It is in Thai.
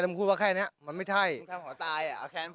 แล้วมึงพูดว่าแค่เนี้ยมันไม่ใช่มึงทำหอตายอ่ะเอาแค้นพอ